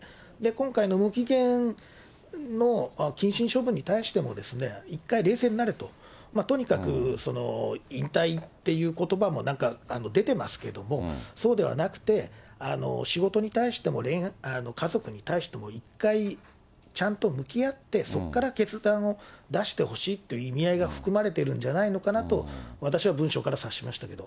今回の無期限の謹慎処分に対しても、１回冷静になれと、とにかく引退っていうことばもなんか出てますけども、そうではなくて、仕事に対しても家族に対しても、一回ちゃんと向き合って、そこから決断を出してほしいっていう意味合いが含まれてるんじゃないのかなと、私は文章から察しましたけど。